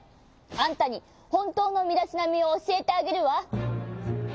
あんたにほんとうのみだしなみをおしえてあげるわ。